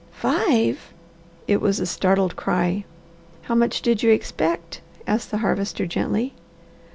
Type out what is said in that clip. "Five?" It was a startled cry. "How much did you expect?" asked the Harvester gently.